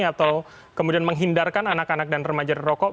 atau kemudian menghindarkan anak anak dan remaja di rokok